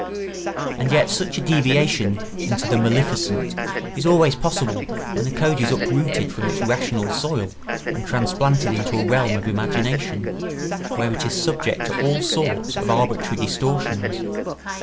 And yet such a deviation into the maleficent is always possible when a code is uprooted from its rational soil and transplanted into a realm of imagination, where it is subject to all sorts of arbitrary distortions.